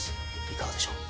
いかがでしょう？